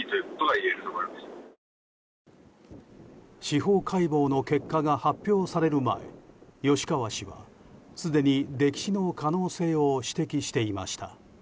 司法解剖の結果が発表される前吉川氏はすでに、溺死の可能性を指摘していました。